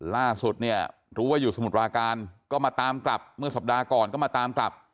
ล่าสุดเนี่ยรู้ว่าอยู่สมุทรปราการก็มาตามกลับเมื่อสัปดาห์ก่อนก็มาตามกลับ